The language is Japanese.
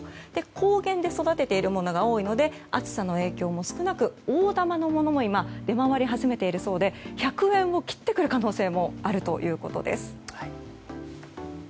高原で育てているものが多いので暑さの影響も少なく大玉のものも出回り始めているそうで１００円を切ってくる可能性もあるということです。